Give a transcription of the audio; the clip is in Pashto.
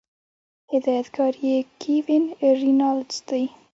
هدايتکار ئې Kevin Reynolds دے